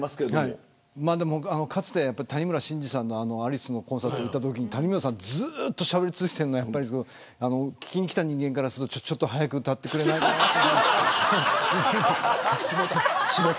かつて谷村新司さんのアリスのコンサートに行ったとき谷村さんがずっとしゃべり続けているのは聴きに来た人間からするとちょっと早く歌ってくれないかなと。